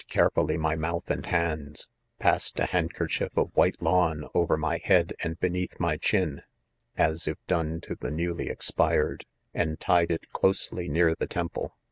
carefully my mouth and hands, passed a handkerchief of white lawn over my head and beneath, my chin,, (as if done to the new* ly expired,) and tied it closely near the tem ple.